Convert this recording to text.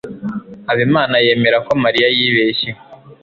habimana yemera ko mariya yibeshye